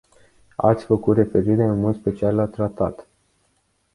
Ați făcut referire în mod special la tratat.